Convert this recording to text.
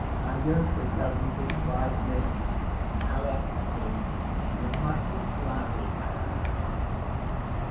Alyosha doesn't despise me. Alexey, you mustn't love Ivan."